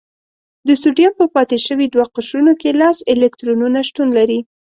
د سوډیم په پاتې شوي دوه قشرونو کې لس الکترونونه شتون لري.